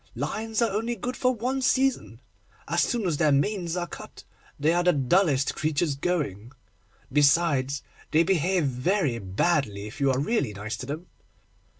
lions are only good for one season. As soon as their manes are cut, they are the dullest creatures going. Besides, they behave very badly, if you are really nice to them.